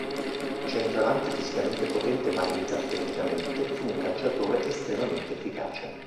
Centravanti fisicamente potente ma limitato tecnicamente, fu un calciatore estremamente efficace.